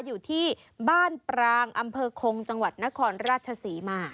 อยู่ที่บ้านปรางอำเภอคงจังหวัดนครราชศรีมา